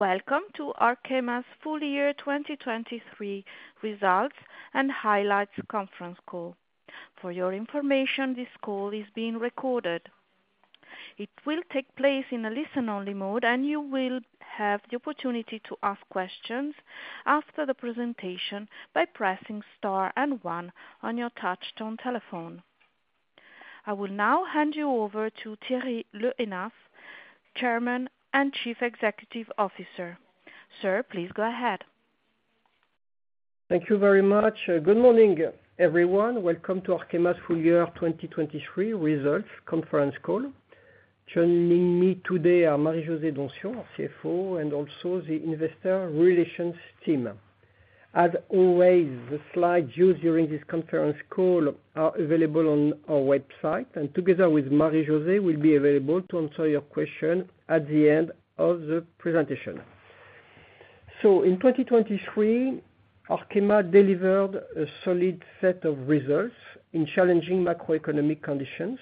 Welcome to Arkema's full year 2023 results and highlights conference call. For your information, this call is being recorded. It will take place in a listen-only mode, and you will have the opportunity to ask questions after the presentation by pressing star and 1 on your touchtone telephone. I will now hand you over to Thierry Le Hénaff, Chairman and Chief Executive Officer. Sir, please go ahead. Thank you very much. Good morning, everyone. Welcome to Arkema's full year 2023 results conference call, joining me today are Marie-José Donsion, CFO, and also the investor relations team. As always, the slides used during this conference call are available on our website, and together with Marie-José, we'll be available to answer your questions at the end of the presentation. In 2023, Arkema delivered a solid set of results in challenging macroeconomic conditions.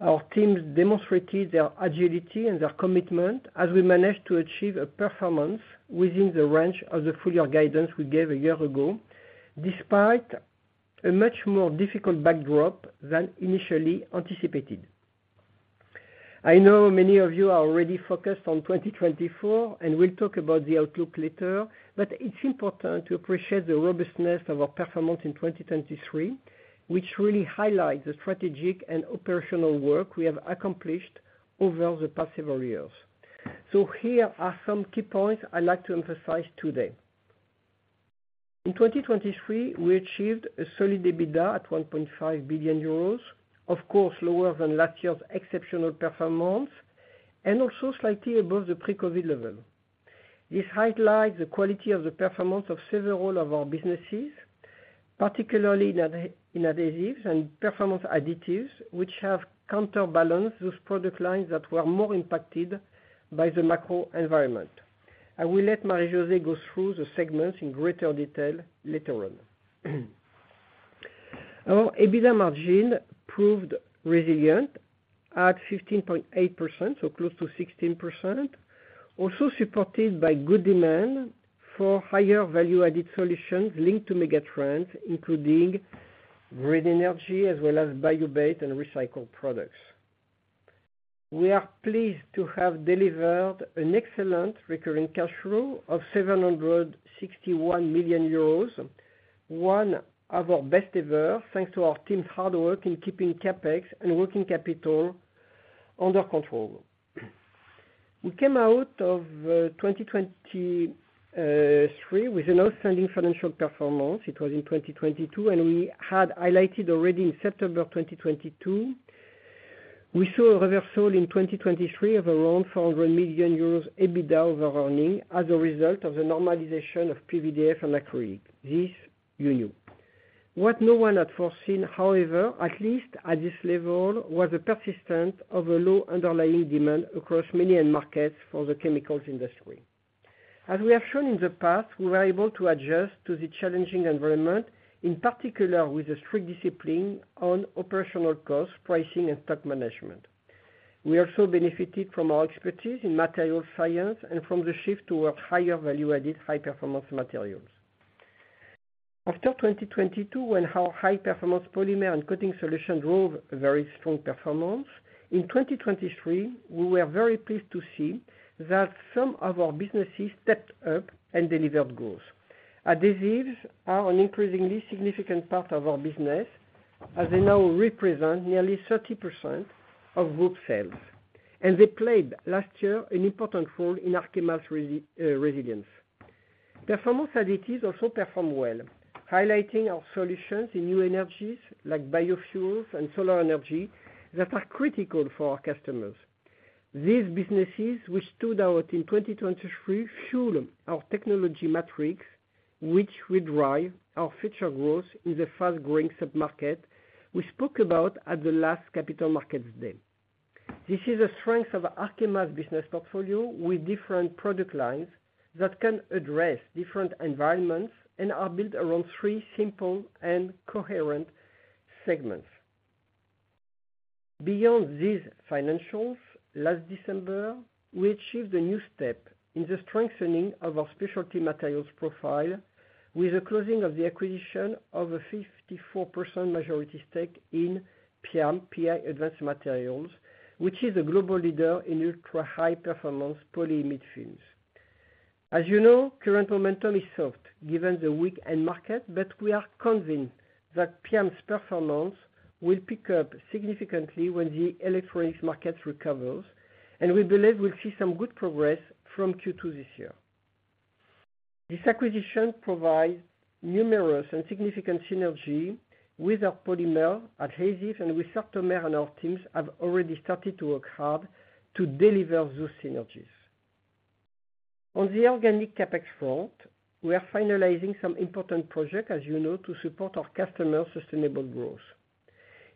Our teams demonstrated their agility and their commitment as we managed to achieve a performance within the range of the full year guidance we gave a year ago, despite a much more difficult backdrop than initially anticipated. I know many of you are already focused on 2024, and we'll talk about the outlook later, but it's important to appreciate the robustness of our performance in 2023, which really highlights the strategic and operational work we have accomplished over the past several years. So here are some key points I'd like to emphasize today. In 2023, we achieved a solid EBITDA at 1.5 billion euros, of course lower than last year's exceptional performance, and also slightly above the pre-COVID level. This highlights the quality of the performance of several of our businesses, particularly in additives and performance additives, which have counterbalanced those product lines that were more impacted by the macro environment. I will let Marie-José go through the segments in greater detail later on. Our EBITDA margin proved resilient at 15.8%, so close to 16%, also supported by good demand for higher value-added solutions linked to megatrends, including green energy as well as bio-based and recycled products. We are pleased to have delivered an excellent recurring cash flow of 761 million euros, one of our best ever thanks to our team's hard work in keeping CapEx and working capital under control. We came out of 2023 with an outstanding financial performance. It was in 2022, and we had highlighted already in September 2022, we saw a reversal in 2023 of around 400 million euros EBITDA over-earnings as a result of the normalization of PVDF and acrylics. This you knew. What no one had foreseen, however, at least at this level, was the persistence of a low underlying demand across many end markets for the chemicals industry. As we have shown in the past, we were able to adjust to the challenging environment, in particular with a strict discipline on operational costs, pricing, and stock management. We also benefited from our expertise in material science and from the shift toward higher value-added, high-performance materials. After 2022, when our high-performance polymer and coating solution drove very strong performance, in 2023, we were very pleased to see that some of our businesses stepped up and delivered growth. Additives are an increasingly significant part of our business, as they now represent nearly 30% of group sales, and they played last year an important role in Arkema's resilience. Performance additives also performed well, highlighting our solutions in new energies like biofuels and solar energy that are critical for our customers. These businesses, which stood out in 2023, fuel our technology matrix, which will drive our future growth in the fast-growing submarket we spoke about at the last Capital Markets Day. This is a strength of Arkema's business portfolio with different product lines that can address different environments and are built around three simple and coherent segments. Beyond these financials, last December, we achieved a new step in the strengthening of our specialty materials profile with the closing of the acquisition of a 54% majority stake in PIAM, PI Advanced Materials, which is a global leader in ultra-high-performance polyimide films. As you know, current momentum is soft given the weak end market, but we are convinced that PIAM's performance will pick up significantly when the electronics market recovers, and we believe we'll see some good progress from Q2 this year. This acquisition provides numerous and significant synergies with our polymer, adhesives, and with Sartomer, and our teams have already started to work hard to deliver those synergies. On the organic CapEx front, we are finalizing some important projects, as you know, to support our customers' sustainable growth.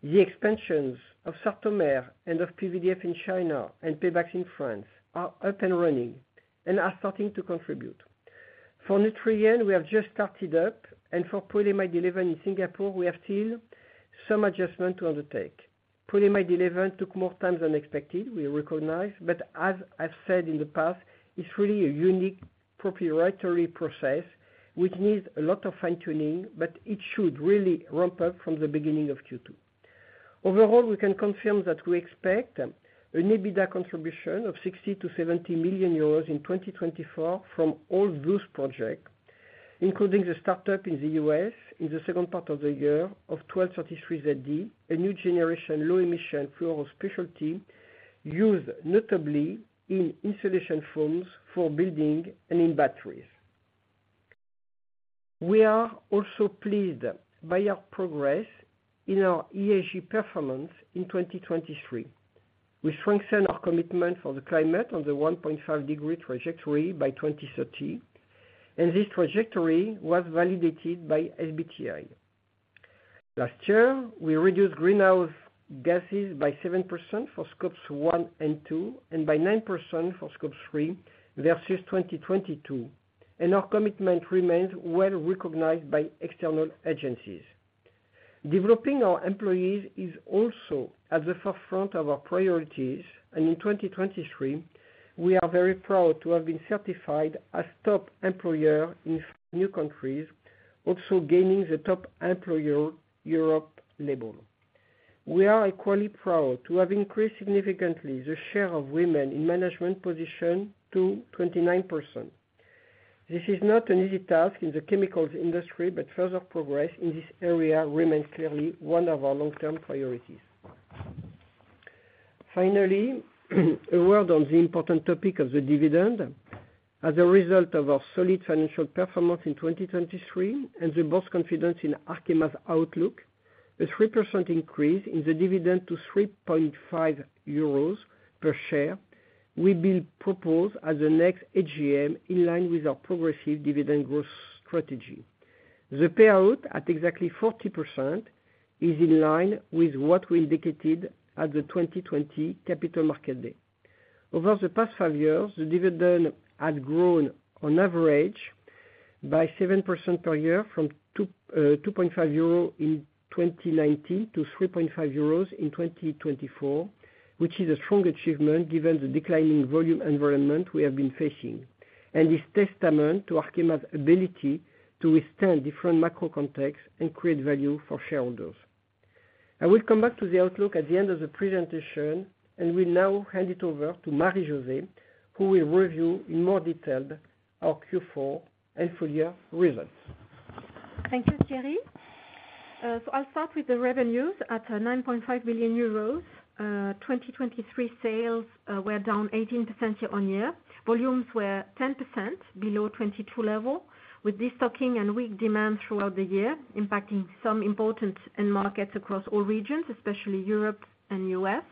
The expansions of Sartomer and of PVDF in China and Pebax in France are up and running and are starting to contribute. For Nutrien, we have just started up, and for polymer delivery in Singapore, we have still some adjustments to undertake. Polymer delivery took more time than expected, we recognize, but as I've said in the past, it's really a unique proprietary process which needs a lot of fine-tuning, but it should really ramp up from the beginning of Q2. Overall, we can confirm that we expect an EBITDA contribution of 60 million-70 million euros in 2024 from all those projects, including the startup in the U.S. in the second part of the year of 1233zd, a new generation low-emission fluoro specialty used notably in insulation films for building and in batteries. We are also pleased by our progress in our ESG performance in 2023. We strengthen our commitment for the climate on the 1.5-degree trajectory by 2030, and this trajectory was validated by SBTi. Last year, we reduced greenhouse gases by 7% for Scope 1 and 2 and by 9% for Scope 3 versus 2022, and our commitment remains well recognized by external agencies. Developing our employees is also at the forefront of our priorities, and in 2023, we are very proud to have been certified as Top Employer in 5 new countries, also gaining the Top Employer Europe label. We are equally proud to have increased significantly the share of women in management positions to 29%. This is not an easy task in the chemicals industry, but further progress in this area remains clearly one of our long-term priorities. Finally, a word on the important topic of the dividend. As a result of our solid financial performance in 2023 and the board's confidence in Arkema's outlook, a 3% increase in the dividend to 3.5 euros per share will be proposed at the next AGM in line with our progressive dividend growth strategy. The payout at exactly 40% is in line with what we indicated at the 2020 Capital Markets Day. Over the past five years, the dividend had grown on average by 7% per year from 2.5 euro in 2019 to 3.5 euros in 2024, which is a strong achievement given the declining volume environment we have been facing, and is testament to Arkema's ability to withstand different macro contexts and create value for shareholders. I will come back to the outlook at the end of the presentation, and we'll now hand it over to Marie-José, who will review in more detail our Q4 and full year results. Thank you, Thierry. I'll start with the revenues. At 9.5 million euros, 2023 sales were down 18% year-on-year. Volumes were 10% below 2022 level, with destocking and weak demand throughout the year impacting some important end markets across all regions, especially Europe and U.S.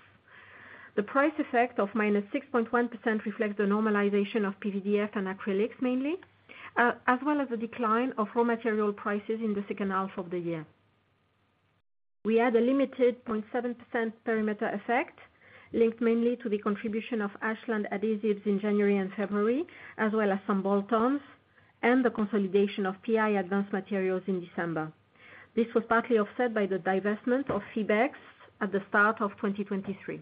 The price effect of -6.1% reflects the normalization of PVDF and acrylics mainly, as well as the decline of raw material prices in the second half of the year. We had a limited 0.7% perimeter effect linked mainly to the contribution of Ashland adhesives in January and February, as well as some bolt-ons and the consolidation of PI Advanced Materials in December. This was partly offset by the divestment of Pebax at the start of 2023.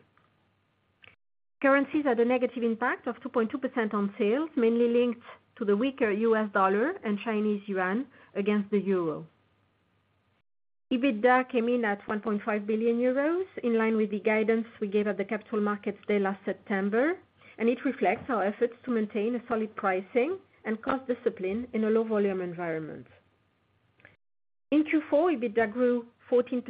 Currencies had a negative impact of 2.2% on sales, mainly linked to the weaker U.S. dollar and Chinese yuan against the euro. EBITDA came in at 1.5 billion euros in line with the guidance we gave at the Capital Markets Day last September, and it reflects our efforts to maintain a solid pricing and cost discipline in a low-volume environment. In Q4, EBITDA grew 14%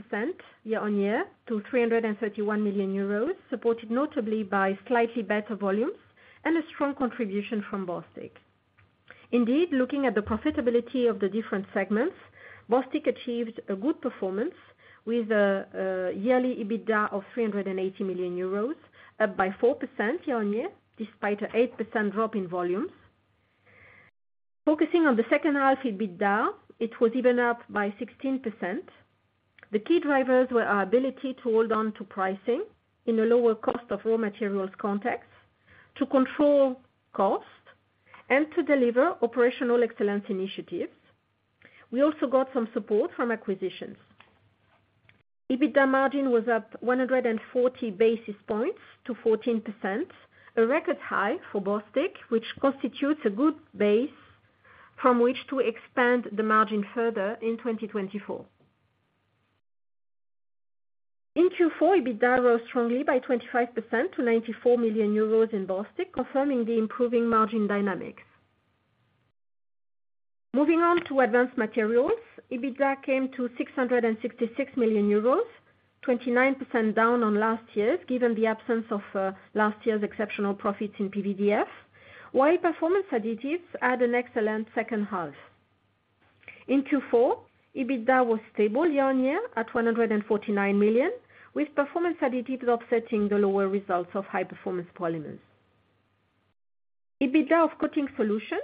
year-on-year to 331 million euros, supported notably by slightly better volumes and a strong contribution from Bostik. Indeed, looking at the profitability of the different segments, Bostik achieved a good performance with a yearly EBITDA of 380 million euros, up by 4% year-on-year despite an 8% drop in volumes. Focusing on the second-half EBITDA, it was even up by 16%. The key drivers were our ability to hold on to pricing in a lower cost of raw materials context, to control cost, and to deliver operational excellence initiatives. We also got some support from acquisitions. EBITDA margin was up 140 basis points to 14%, a record high for Bostik, which constitutes a good base from which to expand the margin further in 2024. In Q4, EBITDA rose strongly by 25% to 94 million euros in Bostik, confirming the improving margin dynamics. Moving on to advanced materials, EBITDA came to 666 million euros, 29% down on last year's given the absence of last year's exceptional profits in PVDF, while performance additives had an excellent second half. In Q4, EBITDA was stable year on year at 149 million, with performance additives offsetting the lower results of high-performance polymers. EBITDA of coating solutions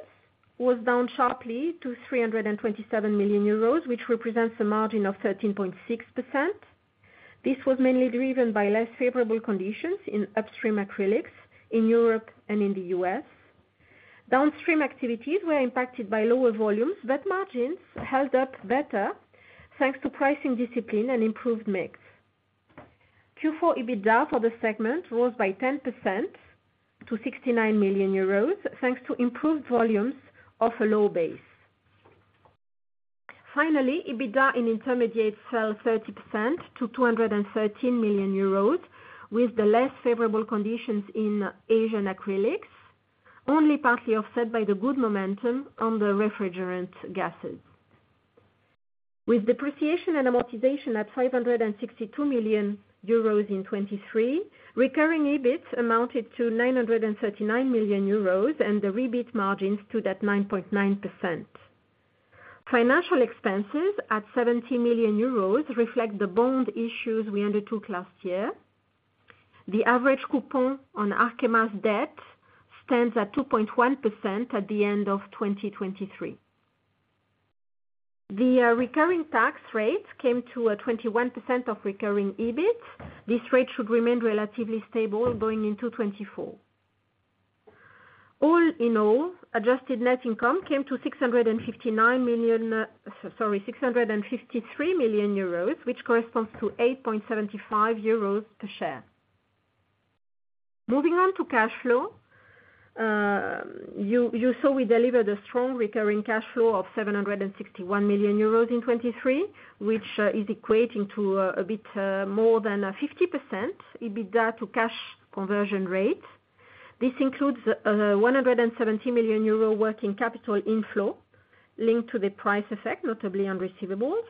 was down sharply to 327 million euros, which represents a margin of 13.6%. This was mainly driven by less favorable conditions in upstream acrylics in Europe and in the U.S. Downstream activities were impacted by lower volumes, but margins held up better thanks to pricing discipline and improved mix. Q4 EBITDA for the segment rose by 10% to 69 million euros thanks to improved volumes off a low base. Finally, EBITDA in intermediates fell 30% to 213 million euros with the less favorable conditions in Asian acrylics, only partly offset by the good momentum on the refrigerant gases. With depreciation and amortization at 562 million euros in 2023, recurring EBIT amounted to 939 million euros and the recurring margins to that 9.9%. Financial expenses at 70 million euros reflect the bond issues we undertook last year. The average coupon on Arkema's debt stands at 2.1% at the end of 2023. The recurring tax rate came to 21% of recurring EBIT. This rate should remain relatively stable going into 2024. All in all, adjusted net income came to 659 million, sorry, 653 million euros, which corresponds to 8.75 euros per share. Moving on to cash flow, you saw we delivered a strong recurring cash flow of 761 million euros in 2023, which is equating to a bit more than 50% EBITDA to cash conversion rate. This includes 170 million euro working capital inflow linked to the price effect, notably on receivables,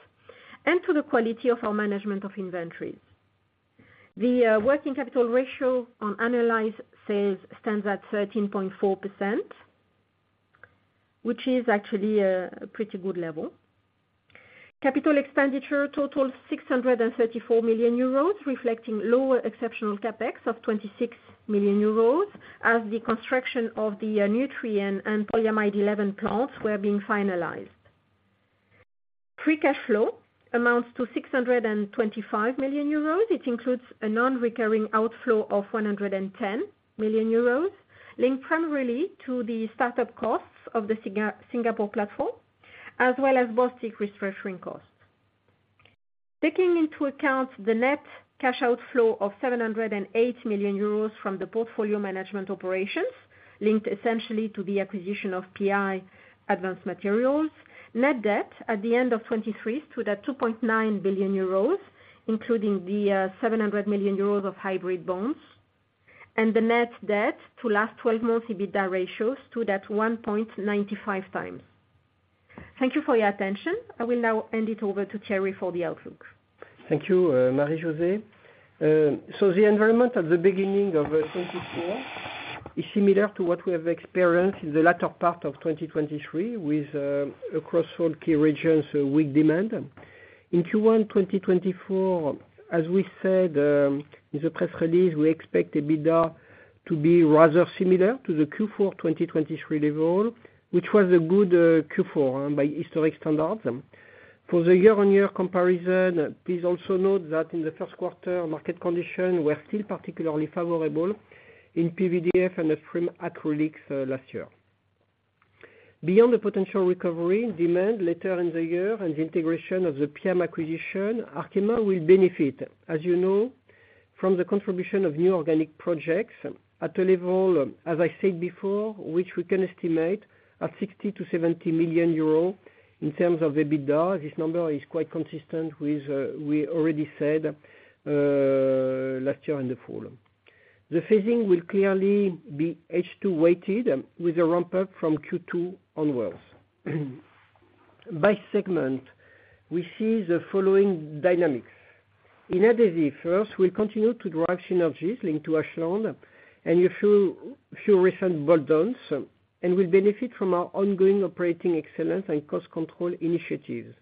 and to the quality of our management of inventories. The working capital ratio on annualized sales stands at 13.4%, which is actually a pretty good level. Capital expenditure totals 634 million euros, reflecting lower exceptional CapEx of 26 million euros as the construction of the Nutrien and polyamide 11 plants were being finalized. Free cash flow amounts to 625 million euros. It includes a non-recurring outflow of 110 million euros linked primarily to the startup costs of the Singapore platform, as well as Bostik refreshing costs. Taking into account the net cash outflow of 708 million euros from the portfolio management operations linked essentially to the acquisition of PI Advanced Materials, net debt at the end of 2023 stood at 2.9 billion euros, including the 700 million euros of hybrid bonds, and the net debt to last 12-month EBITDA ratios stood at 1.95 times. Thank you for your attention. I will now hand it over to Thierry for the outlook. Thank you, Marie-José. So the environment at the beginning of 2024 is similar to what we have experienced in the latter part of 2023 with across all key regions weak demand. In Q1 2024, as we said in the press release, we expect EBITDA to be rather similar to the Q4 2023 level, which was a good Q4 by historic standards. For the year-on-year comparison, please also note that in the first quarter, market conditions were still particularly favorable in PVDF and upstream acrylics last year. Beyond the potential recovery, demand later in the year, and the integration of the PIAM acquisition, Arkema will benefit, as you know, from the contribution of new organic projects at a level, as I said before, which we can estimate at 60-70 million euros in terms of EBITDA. This number is quite consistent with what we already said last year in the fall. The phasing will clearly be H2-weighted with a ramp-up from Q2 onwards. By segment, we see the following dynamics. In Adhesives, first, we'll continue to drive synergies linked to Ashland and a few recent bolt-ons and will benefit from our ongoing operating excellence and cost control initiatives.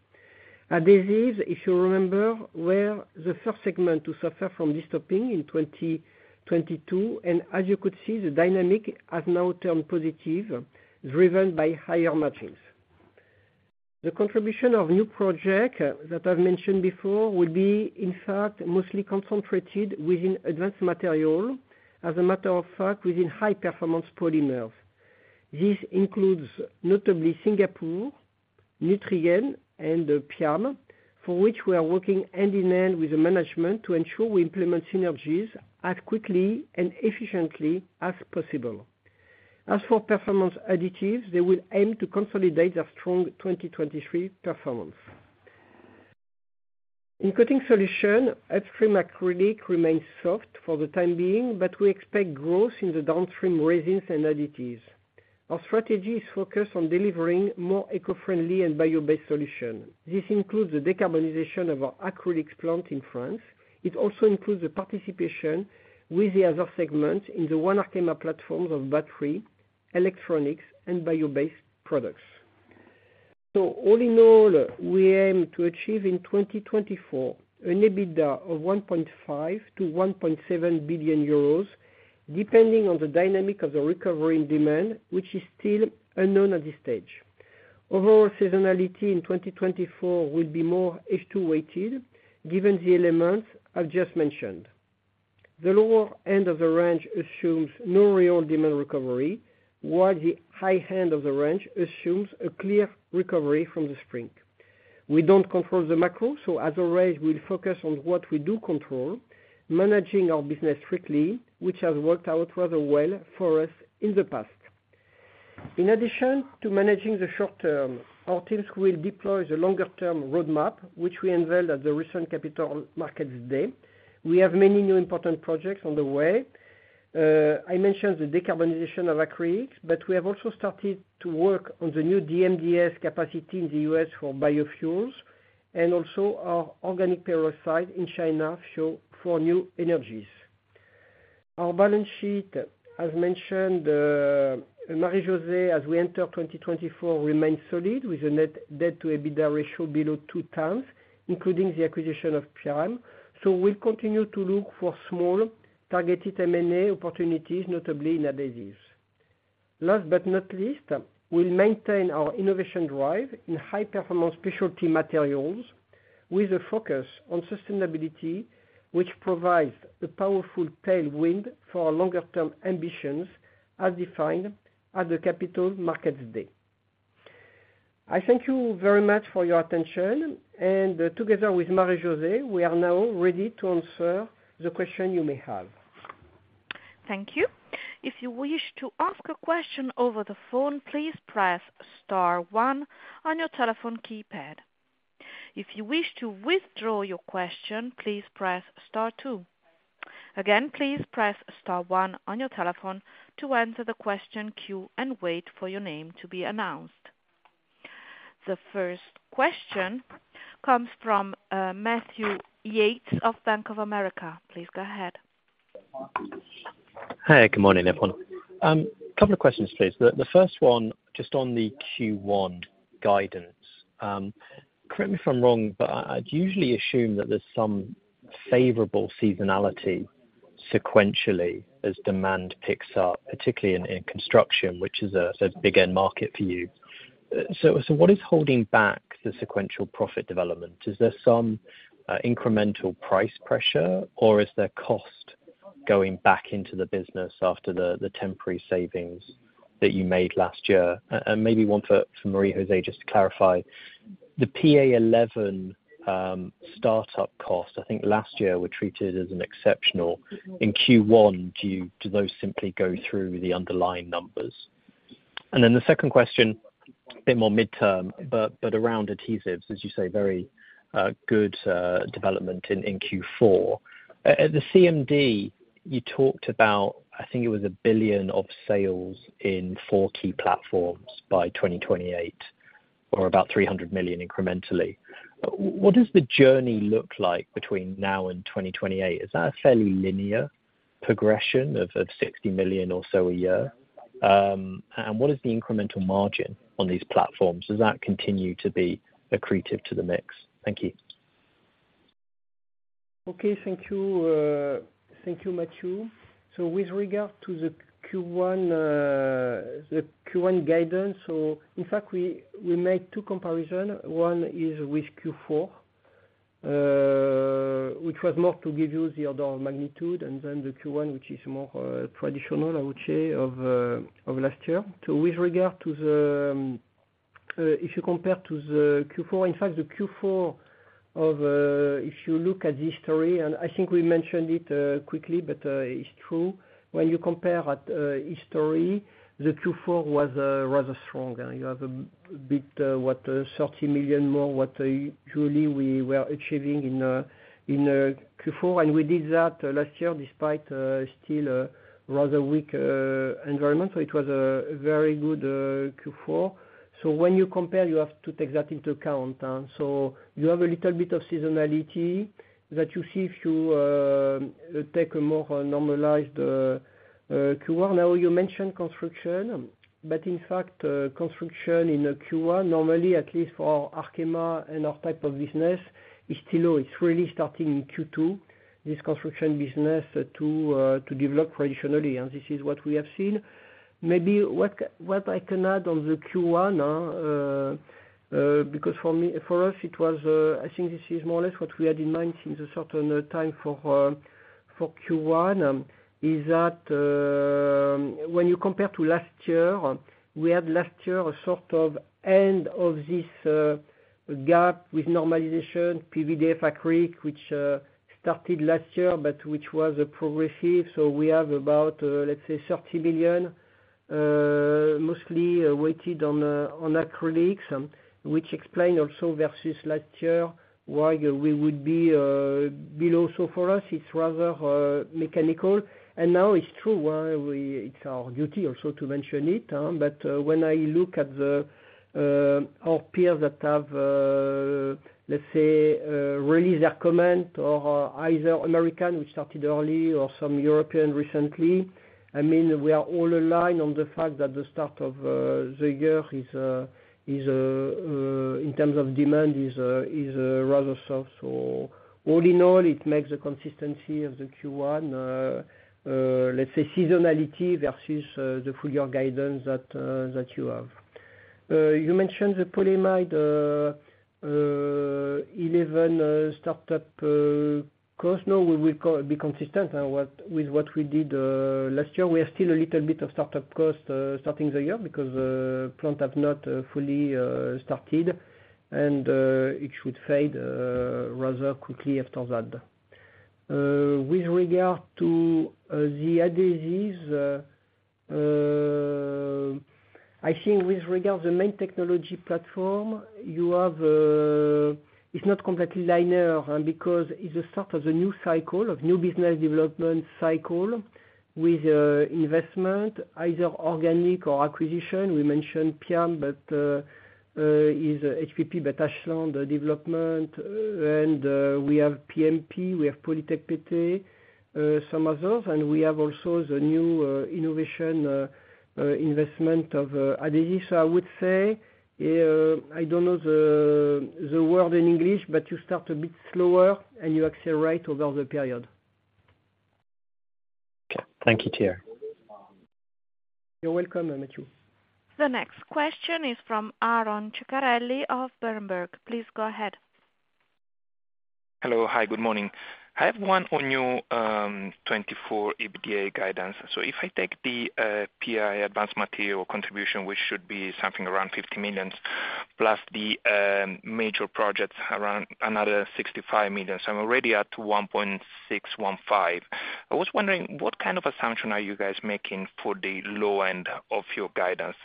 Adhesives, if you remember, were the first segment to suffer from destocking in 2022, and as you could see, the dynamic has now turned positive, driven by higher margins. The contribution of new projects that I've mentioned before will be, in fact, mostly concentrated within Advanced Materials, as a matter of fact, within high-performance polymers. This includes notably Singapore, Nutrien, and PIAM, for which we are working hand in hand with the management to ensure we implement synergies as quickly and efficiently as possible. As for performance additives, they will aim to consolidate their strong 2023 performance. In coating solution, upstream acrylic remains soft for the time being, but we expect growth in the downstream resins and additives. Our strategy is focused on delivering more eco-friendly and bio-based solutions. This includes the decarbonization of our acrylics plant in France. It also includes the participation with the other segments in the One Arkema platforms of battery, electronics, and bio-based products. So all in all, we aim to achieve in 2024 an EBITDA of 1.5 billion-1.7 billion euros, depending on the dynamic of the recovery in demand, which is still unknown at this stage. Overall seasonality in 2024 will be more H2-weighted given the elements I've just mentioned. The lower end of the range assumes no real demand recovery, while the high end of the range assumes a clear recovery from the spring. We don't control the macro, so as always, we'll focus on what we do control, managing our business strictly, which has worked out rather well for us in the past. In addition to managing the short term, our teams will deploy the longer-term roadmap, which we unveiled at the recent Capital Markets Day. We have many new important projects on the way. I mentioned the decarbonization of acrylics, but we have also started to work on the new DMDS capacity in the U.S. for biofuels and also our organic peroxide in China for new energies. Our balance sheet, as mentioned, Marie-José, as we enter 2024, remains solid with a net debt-to-EBITDA ratio below 2 times, including the acquisition of PIAM. We'll continue to look for small targeted M&A opportunities, notably in adhesives. Last but not least, we'll maintain our innovation drive in high-performance specialty materials with a focus on sustainability, which provides a powerful tailwind for our longer-term ambitions as defined at the Capital Markets Day. I thank you very much for your attention. Together with Marie-José, we are now ready to answer the question you may have. Thank you. If you wish to ask a question over the phone, please press star 1 on your telephone keypad. If you wish to withdraw your question, please press star 2. Again, please press star 1 on your telephone to answer the question queue and wait for your name to be announced. The first question comes from Matthew Yates of Bank of America. Please go ahead. Hi. Good morning, everyone. Couple of questions, please. The first one just on the Q1 guidance. Correct me if I'm wrong, but I'd usually assume that there's some favorable seasonality sequentially as demand picks up, particularly in construction, which is a big-end market for you. So what is holding back the sequential profit development? Is there some incremental price pressure, or is there cost going back into the business after the temporary savings that you made last year? And maybe one for Marie-José, just to clarify. The PA11 startup cost, I think last year were treated as an exceptional. In Q1, do those simply go through the underlying numbers? And then the second question, a bit more mid-term but around adhesives, as you say, very good development in Q4. At the CMD, you talked about I think it was 1 billion of sales in four key platforms by 2028 or about 300 million incrementally. What does the journey look like between now and 2028? Is that a fairly linear progression of 60 million or so a year? And what is the incremental margin on these platforms? Does that continue to be accretive to the mix? Thank you. Okay. Thank you. Thank you, Matthew. So with regard to the Q1 guidance, so in fact, we made two comparisons. One is with Q4, which was more to give you the order of magnitude, and then the Q1, which is more traditional, I would say, of last year. So with regard to the, if you compare to the Q4, in fact, the Q4 of, if you look at the history and I think we mentioned it quickly, but it's true. When you compare history, the Q4 was rather strong. You have a bit, what, 30 million more, what usually we were achieving in Q4. And we did that last year despite still a rather weak environment. So it was a very good Q4. So when you compare, you have to take that into account. So you have a little bit of seasonality that you see if you take a more normalized Q1. Now, you mentioned construction. But in fact, construction in Q1, normally, at least for Arkema and our type of business, is still low. It's really starting in Q2, this construction business, to develop traditionally. This is what we have seen. Maybe what I can add on the Q1 because for us, it was I think this is more or less what we had in mind since a certain time for Q1 is that when you compare to last year, we had last year a sort of end of this gap with normalization, PVDF acrylic, which started last year but which was progressive. So we have about, let's say, 30 million, mostly weighted on acrylics, which explains also versus last year why we would be below. So for us, it's rather mechanical. Now it's true. It's our duty also to mention it. But when I look at our peers that have, let's say, released their comment or either American, which started early, or some European recently, I mean, we are all aligned on the fact that the start of the year is in terms of demand is rather soft. So all in all, it makes the consistency of the Q1, let's say, seasonality versus the full-year guidance that you have. You mentioned the polyamide 11 startup cost. No, we will be consistent with what we did last year. We are still a little bit of startup cost starting the year because the plants have not fully started, and it should fade rather quickly after that. With regard to the adhesives, I think with regard to the main technology platform, you have, it's not completely linear because it's the start of the new cycle of new business development cycle with investment, either organic or acquisition. We mentioned PIAM, but it's HPP, but Ashland development. And we have PMP. We have Polytec PT, some others. And we have also the new innovation investment of adhesives. So I would say I don't know the word in English, but you start a bit slower and you accelerate over the period. Okay. Thank you, Thierry. You're welcome, Matthew. The next question is from Aron Ceccarelli of Berenberg. Please go ahead. Hello. Hi. Good morning. I have one on your 2024 EBITDA guidance. So if I take the PI Advanced Materials contribution, which should be something around 50 million plus the major projects, around another 65 million, so I'm already at 1.615. I was wondering, what kind of assumption are you guys making for the low end of your guidance?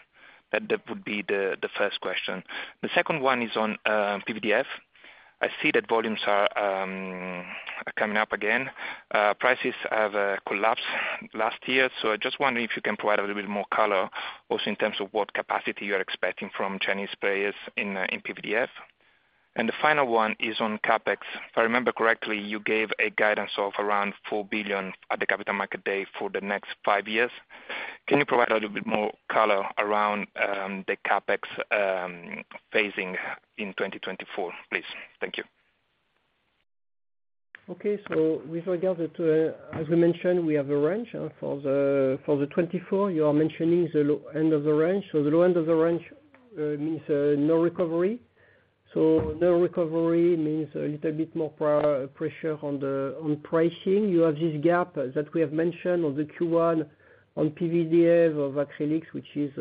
That would be the first question. The second one is on PVDF. I see that volumes are coming up again. Prices have collapsed last year. So I just wonder if you can provide a little bit more color also in terms of what capacity you are expecting from Chinese players in PVDF. And the final one is on CapEx. If I remember correctly, you gave a guidance of around 4 billion at the Capital Markets Day for the next five years. Can you provide a little bit more color around the CapEx phasing in 2024, please? Thank you. Okay. So with regard to as we mentioned, we have a range for the 2024. You are mentioning the low end of the range. So the low end of the range means no recovery. So no recovery means a little bit more pressure on pricing. You have this gap that we have mentioned on the Q1 on PVDF of acrylics, which is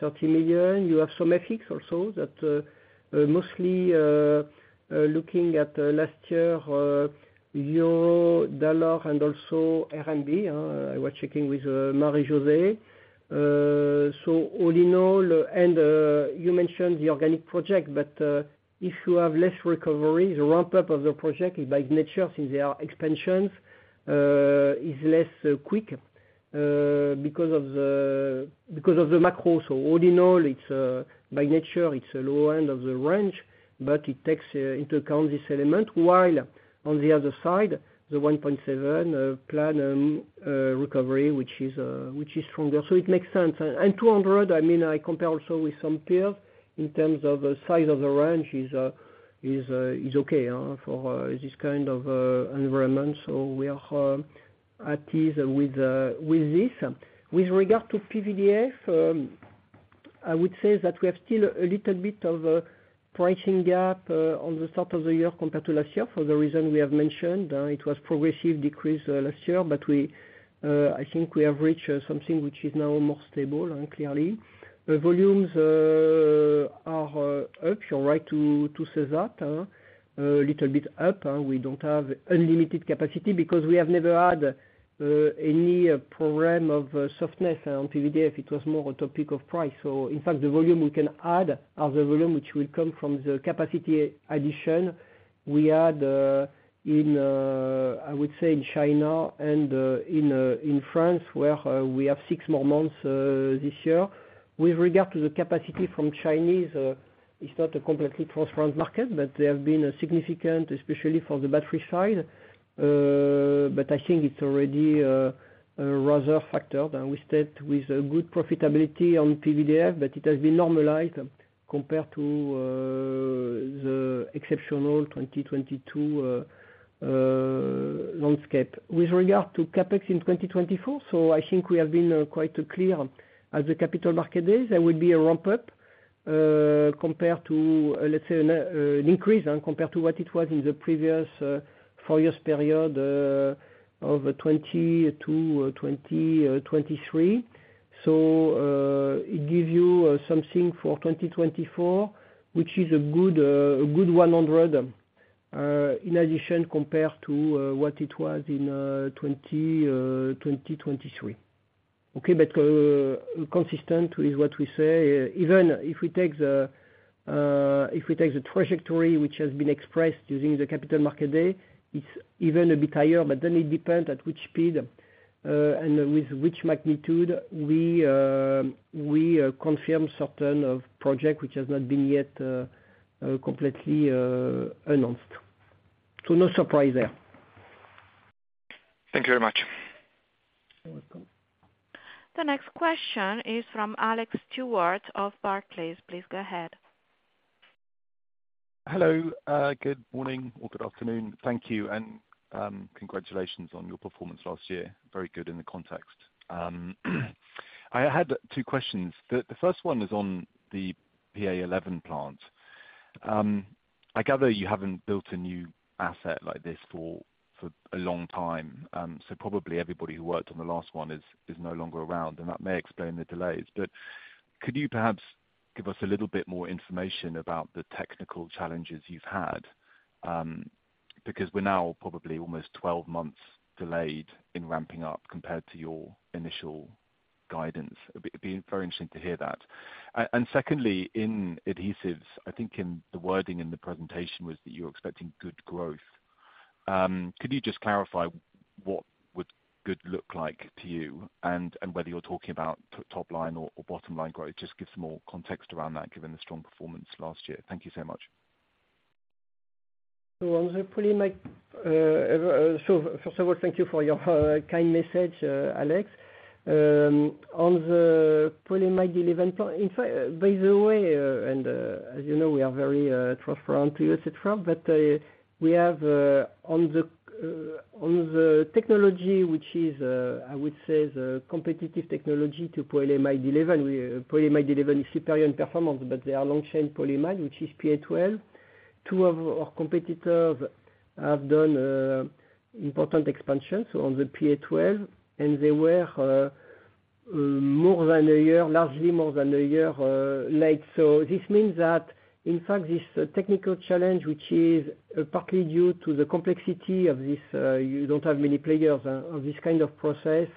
30 million. You have some FX also that mostly looking at last year, euro, dollar, and also RMB. I was checking with Marie-José. So all in all, and you mentioned the organic project, but if you have less recovery, the ramp-up of the project by nature since they are expansions is less quick because of the macro. So all in all, by nature, it's a low end of the range, but it takes into account this element. While on the other side, the 1.7 plan recovery, which is stronger. So it makes sense. And 200, I mean, I compare also with some peers in terms of size of the range, is okay for this kind of environment. So we are at ease with this. With regard to PVDF, I would say that we have still a little bit of pricing gap on the start of the year compared to last year for the reason we have mentioned. It was progressive decrease last year, but I think we have reached something which is now more stable, clearly. Volumes are up. You're right to say that. A little bit up. We don't have unlimited capacity because we have never had any problem of softness on PVDF. It was more a topic of price. So in fact, the volume we can add are the volume which will come from the capacity addition we add, I would say, in China and in France where we have 6 more months this year. With regard to the capacity from China, it's not a completely transparent market, but there have been significant, especially for the battery side. But I think it's already a rather factor. We stayed with good profitability on PVDF, but it has been normalized compared to the exceptional 2022 landscape. With regard to CapEx in 2024, so I think we have been quite clear at the Capital Markets Day. There will be a ramp-up compared to, let's say, an increase compared to what it was in the previous four-year period of 2022, 2020, 2023. So it gives you something for 2024, which is a good 100 million in addition compared to what it was in 2023. Okay? But consistent with what we say. Even if we take the trajectory which has been expressed using the Capital Markets Day, it's even a bit higher, but then it depends at which speed and with which magnitude we confirm certain projects which have not been yet completely announced. So no surprise there. Thank you very much. You're welcome. The next question is from Alex Stewart of Barclays. Please go ahead. Hello. Good morning or good afternoon. Thank you. And congratulations on your performance last year. Very good in the context. I had two questions. The first one is on the PA11 plant. I gather you haven't built a new asset like this for a long time. So probably everybody who worked on the last one is no longer around, and that may explain the delays. But could you perhaps give us a little bit more information about the technical challenges you've had because we're now probably almost 12 months delayed in ramping up compared to your initial guidance? It'd be very interesting to hear that. And secondly, in adhesives, I think the wording in the presentation was that you were expecting good growth. Could you just clarify what would good look like to you and whether you're talking about top-line or bottom-line growth? Just give some more context around that given the strong performance last year. Thank you so much. So on the poly so first of all, thank you for your kind message, Alex. On the polyamide 11 plant in fact, by the way and as you know, we are very transparent to you, etc., but we have on the technology, which is, I would say, the competitive technology to polyamide 11 polyamide 11 is superior in performance, but they are long-chain polyamide, which is PA12. Two of our competitors have done important expansion. So on the PA12, and they were more than a year largely more than a year late. So this means that in fact, this technical challenge, which is partly due to the complexity of this you don't have many players of this kind of process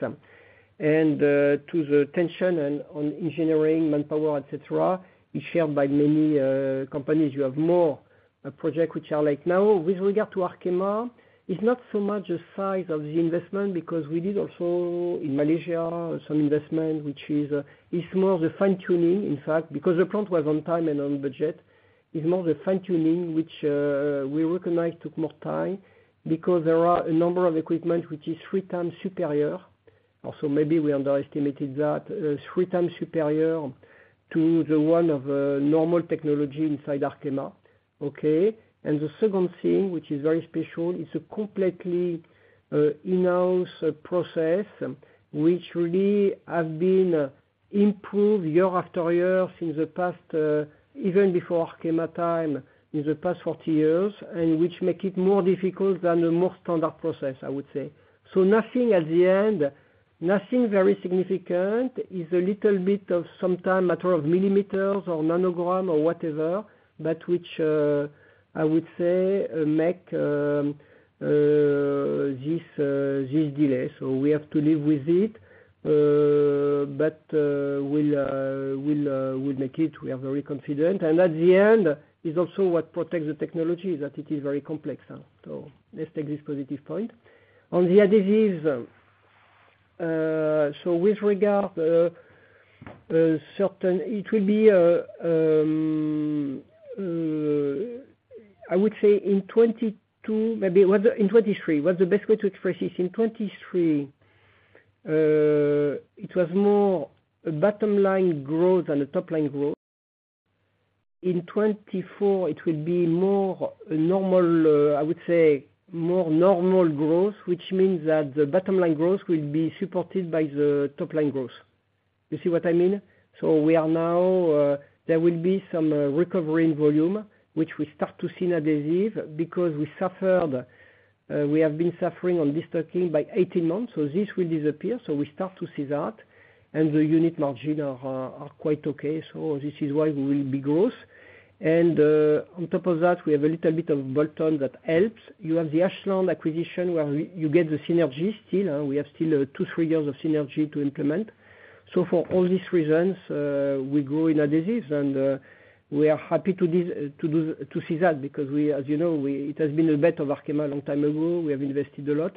and to the tension on engineering, manpower, etc., is shared by many companies. You have more projects which are late. Now, with regard to Arkema, it's not so much the size of the investment because we did also in Malaysia some investment, which is it's more the fine-tuning, in fact, because the plant was on time and on budget. It's more the fine-tuning, which we recognize took more time because there are a number of equipment which is three times superior also maybe we underestimated that three times superior to the one of normal technology inside Arkema. Okay? And the second thing, which is very special, it's a completely in-house process which really have been improved year after year since the past even before Arkema time in the past 40 years and which make it more difficult than the more standard process, I would say. So, nothing at the end, nothing very significant, is a little bit of some time, matter of millimeters or nanogram or whatever, but which, I would say, make this delay. So we have to live with it, but we'll make it. We are very confident. And at the end, it's also what protects the technology, is that it is very complex. So let's take this positive point. On the adhesives, so with regard certain it will be, I would say, in 2022 maybe in 2023, what's the best way to express this? In 2023, it was more bottom-line growth than the top-line growth. In 2024, it will be more normal I would say, more normal growth, which means that the bottom-line growth will be supported by the top-line growth. You see what I mean? So, we are now there. There will be some recovery in volume, which we start to see in adhesives because we have been suffering from this destocking for 18 months. So this will disappear. So we start to see that. And the unit margins are quite okay. So this is why we will grow. And on top of that, we have a little bit of bolt-on that helps. You have the Ashland acquisition where you get the synergy still. We have still 2-3 years of synergy to implement. So for all these reasons, we grow in adhesives, and we are happy to see that because as you know, it has been a bet of Arkema a long time ago. We have invested a lot.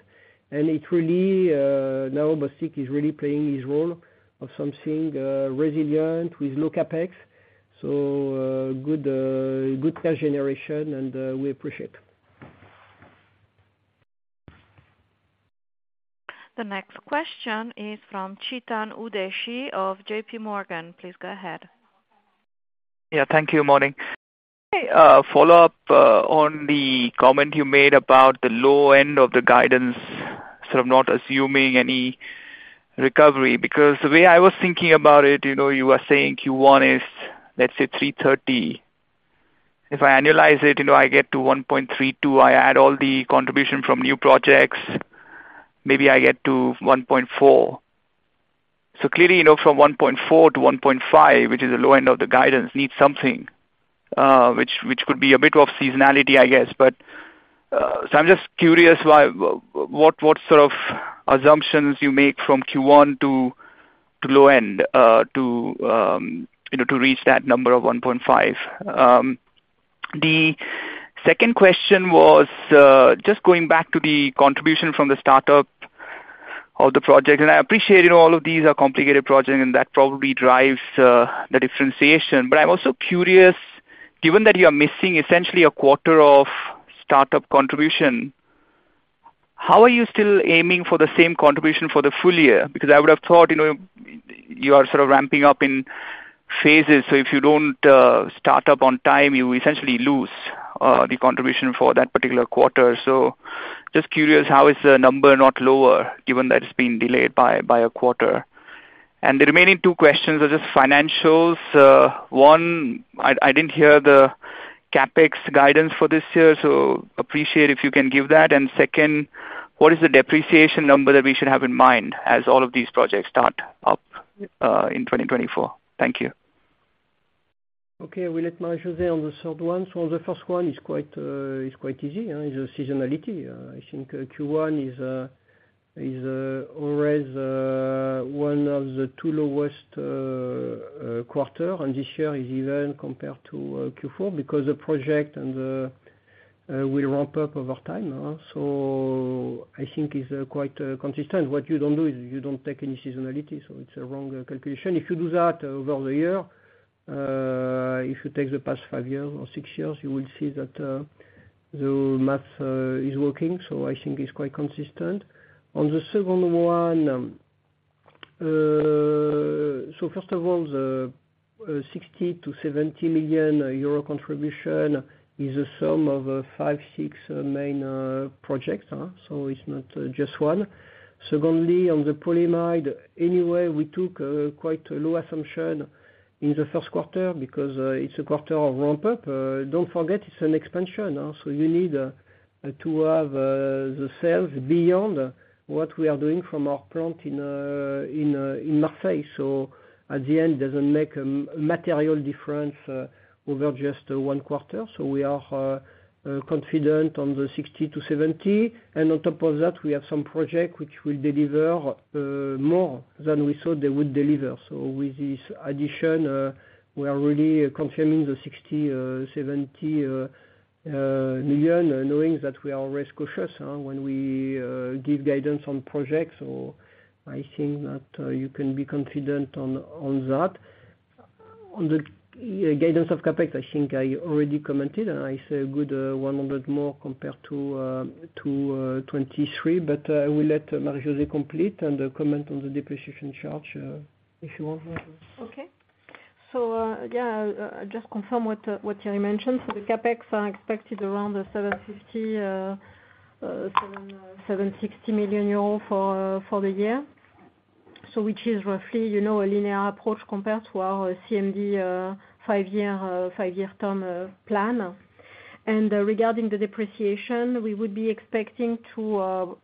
And now adhesives is really playing its role of something resilient with low CapEx. So good cash generation, and we appreciate it. The next question is from Chetan Udeshi of JP Morgan. Please go ahead. Yeah. Thank you. Good morning. Follow up on the comment you made about the low end of the guidance, sort of not assuming any recovery because the way I was thinking about it, you were saying Q1 is, let's say, 330 million. If I annualize it, I get to 1.32 billion. I add all the contribution from new projects. Maybe I get to 1.4 billion. So clearly, from 1.4 billion to 1.5 billion, which is the low end of the guidance, needs something, which could be a bit of seasonality, I guess. So I'm just curious what sort of assumptions you make from Q1 to low end to reach that number of 1.5 billion. The second question was just going back to the contribution from the startup of the project. And I appreciate all of these are complicated projects, and that probably drives the differentiation. But I'm also curious, given that you are missing essentially a quarter of startup contribution, how are you still aiming for the same contribution for the full year? Because I would have thought you are sort of ramping up in phases. So if you don't start up on time, you essentially lose the contribution for that particular quarter. So just curious, how is the number not lower given that it's been delayed by a quarter? And the remaining two questions are just financials. One, I didn't hear the CapEx guidance for this year, so appreciate if you can give that. And second, what is the depreciation number that we should have in mind as all of these projects start up in 2024? Thank you. Okay. We let Marie-José on the third one. So on the first one, it's quite easy. It's the seasonality. I think Q1 is always one of the two lowest quarters, and this year is even compared to Q4 because the project will ramp up over time. So I think it's quite consistent. What you don't do is you don't take any seasonality. So it's a wrong calculation. If you do that over the year, if you take the past 5 years or 6 years, you will see that the math is working. So I think it's quite consistent. On the second one, so first of all, the 60-70 million euro contribution is the sum of 5-6 main projects. So it's not just one. Secondly, on the polyamide, anyway, we took quite a low assumption in the first quarter because it's a quarter of ramp-up. Don't forget, it's an expansion. So you need to have the sales beyond what we are doing from our plant in Marseille. So at the end, it doesn't make a material difference over just one quarter. So we are confident on 60-70 million. And on top of that, we have some projects which will deliver more than we thought they would deliver. So with this addition, we are really confirming 60-70 million knowing that we are always cautious when we give guidance on projects. So I think that you can be confident on that. On the guidance of CapEx, I think I already commented, and I say a good 100 million more compared to 2023. But I will let Marie-José complete and comment on the depreciation charge if you want. Okay. So yeah, just confirm what Thierry mentioned. So the CapEx are expected around the 750-760 million euros for the year, which is roughly a linear approach compared to our CMD five-year term plan. And regarding the depreciation, we would be expecting to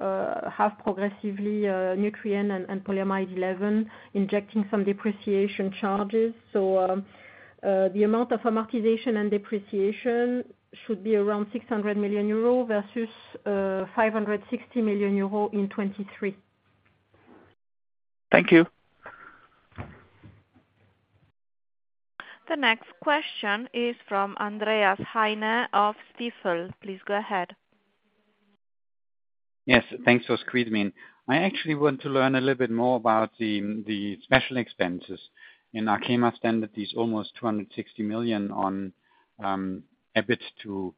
have progressively Nutrien and polyamide 11 injecting some depreciation charges. So the amount of amortization and depreciation should be around 600 million euro versus 560 million euro in 2023. Thank you. The next question is from Andreas Heine of Stifel. Please go ahead. Yes. Thanks for squeezing me. I actually want to learn a little bit more about the special expenses. In Arkema standard, it's almost 260 million on EBIT to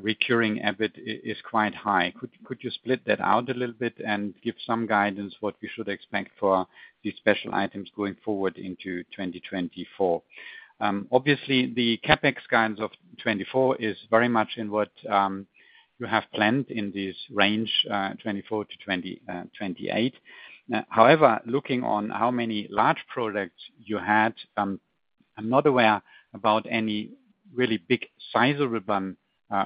recurring EBIT is quite high. Could you split that out a little bit and give some guidance what we should expect for these special items going forward into 2024? Obviously, the CapEx guidance of 2024 is very much in what you have planned in this range, 2024-2028. However, looking on how many large products you had, I'm not aware about any really big size of ribbon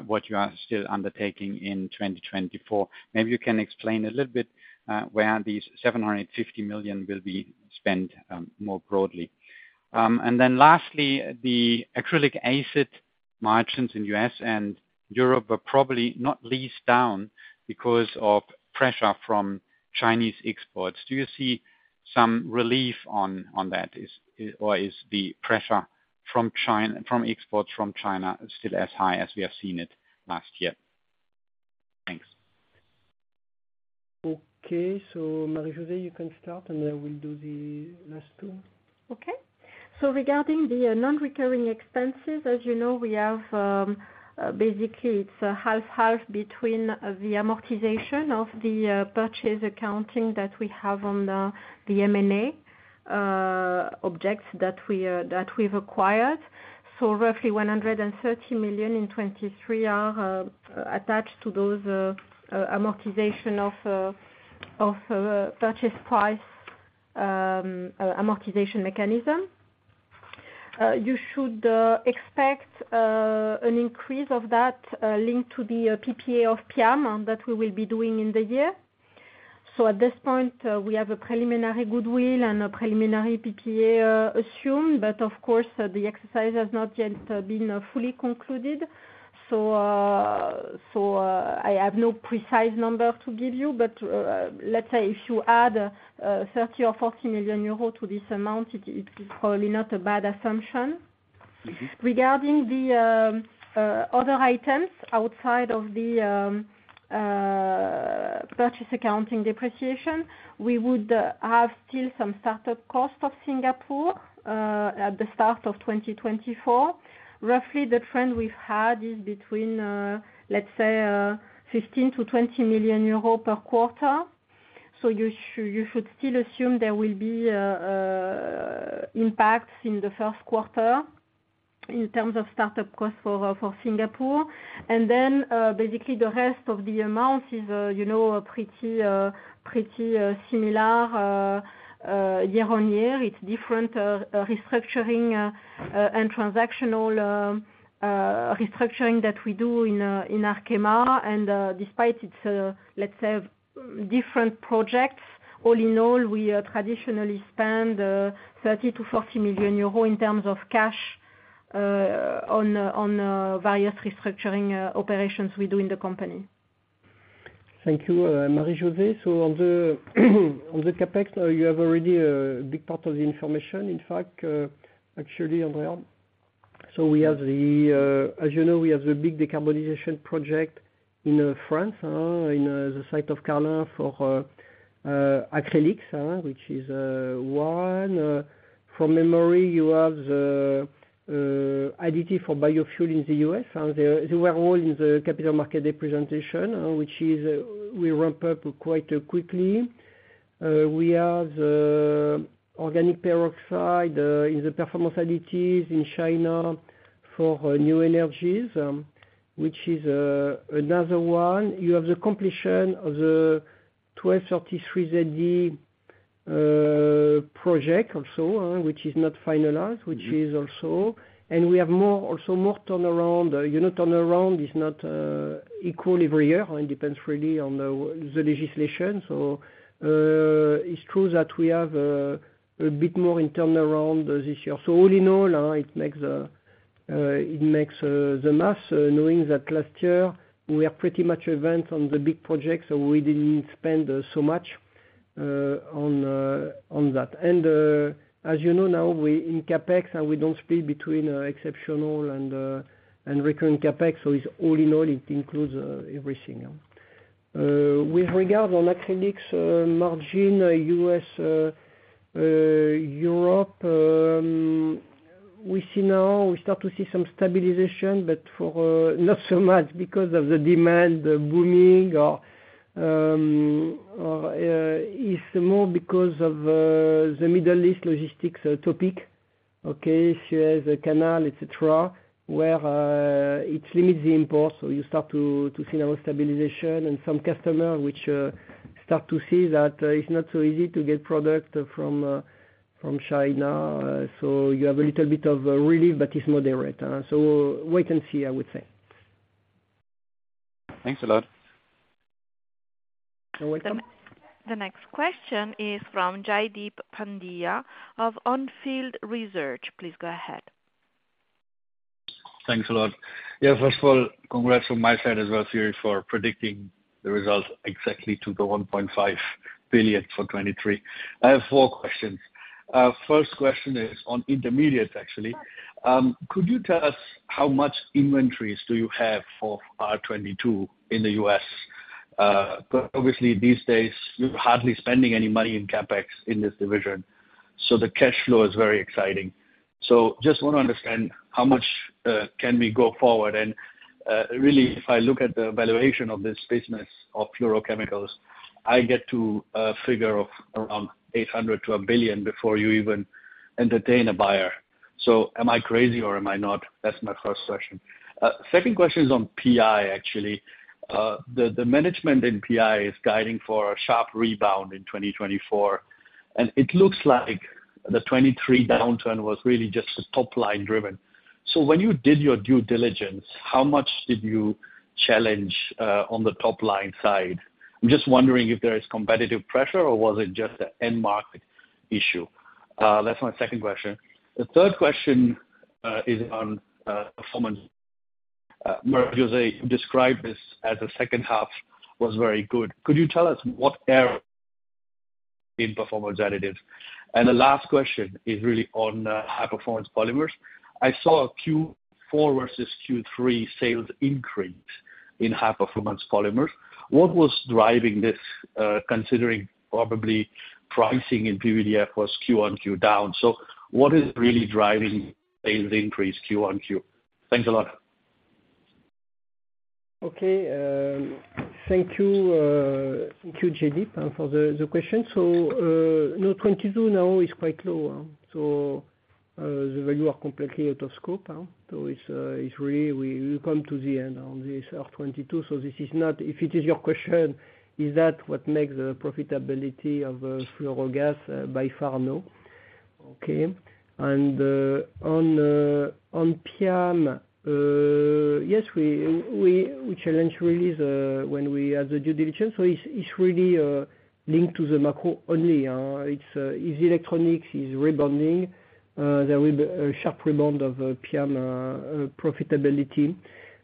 what you are still undertaking in 2024. Maybe you can explain a little bit where these 750 million will be spent more broadly. And then lastly, the acrylic acid margins in U.S. and Europe were probably not least down because of pressure from Chinese exports. Do you see some relief on that, or is the pressure from exports from China still as high as we have seen it last year? Thanks. Okay. So Marie-José, you can start, and I will do the last two. Okay. So regarding the non-recurring expenses, as you know, we have basically, it's 50/50 between the amortization of the purchase accounting that we have on the M&A objects that we've acquired. So roughly 130 million in 2023 are attached to those amortization of purchase price amortization mechanism. You should expect an increase of that linked to the PPA of PIAM that we will be doing in the year. So at this point, we have a preliminary goodwill and a preliminary PPA assumed. But of course, the exercise has not yet been fully concluded. So I have no precise number to give you. But let's say if you add 30 million or 40 million euro to this amount, it's probably not a bad assumption. Regarding the other items outside of the purchase accounting depreciation, we would have still some startup cost of Singapore at the start of 2024. Roughly, the trend we've had is between, let's say, 15 million-20 million euro per quarter. So you should still assume there will be impacts in the first quarter in terms of startup cost for Singapore. And then basically, the rest of the amount is pretty similar year-over-year. It's different restructuring and transactional restructuring that we do in Arkema. And despite it's, let's say, different projects, all in all, we traditionally spend 30 million-40 million euro in terms of cash on various restructuring operations we do in the company. Thank you, Marie-José. So on the CapEx, you have already a big part of the information. In fact, actually, Andreas, so as you know, we have the big decarbonization project in France, in the site of Carling for acrylics, which is one. From memory, you have the additive for biofuel in the US. They were all in the capital market representation, which is we ramp up quite quickly. We have organic peroxide in the performance additives in China for new energies, which is another one. You have the completion of the 1233zd project also, which is not finalized, which is also. And we have also more turnaround. Turnaround is not equal every year. It depends really on the legislation. So it's true that we have a bit more in turnaround this year. So all in all, it makes the math knowing that last year, we had pretty much events on the big projects, so we didn't spend so much on that. And as you know now, in CapEx, we don't split between exceptional and recurring CapEx. So all in all, it includes everything. With regard to acrylics margin, U.S., Europe, we start to see some stabilization, but not so much because of the demand booming. It's more because of the Middle East logistics topic, Suez Canal, etc., where it limits the import. So you start to see now stabilization and some customers which start to see that it's not so easy to get product from China. So you have a little bit of relief, but it's moderate. So wait and see, I would say. Thanks a lot. You're welcome. The next question is from Jaideep Pandya of On Field Research. Please go ahead. Thanks a lot. Yeah. First of all, congrats from my side as well, Thierry, for predicting the results exactly to 1.5 billion for 2023. I have four questions. First question is on intermediates, actually. Could you tell us how much inventories do you have for R22 in the U.S.? Obviously, these days, you're hardly spending any money in CapEx in this division. So the cash flow is very exciting. So just want to understand how much can we go forward. And really, if I look at the valuation of this business of fluorochemicals, I get to a figure of around 800 million-1 billion before you even entertain a buyer. So am I crazy, or am I not? That's my first question. Second question is on PI, actually. The management in PI is guiding for a sharp rebound in 2024. It looks like the 2023 downturn was really just the top-line driven. So when you did your due diligence, how much did you challenge on the top-line side? I'm just wondering if there is competitive pressure, or was it just an end-market issue? That's my second question. The third question is on performance. Marie-José, you described this as the second half was very good. Could you tell us what error in performance additives? And the last question is really on high-performance polymers. I saw a Q4 versus Q3 sales increase in high-performance polymers. What was driving this, considering probably pricing in PVDF was Q on Q down? So what is really driving sales increase Q on Q? Thanks a lot. Okay. Thank you, Jaydeep, for the question. So no, R22 now is quite low. So the values are completely out of scope. So really, we come to the end on this R22. So if it is your question, is that what makes the profitability of fluorogas? By far, no. Okay. And on PIAM, yes, we challenge really when we add the due diligence. So it's really linked to the macro only. It's electronics. It's rebounding. There will be a sharp rebound of PIAM profitability.